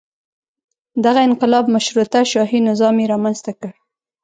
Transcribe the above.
دغه انقلاب مشروطه شاهي نظام یې رامنځته کړ.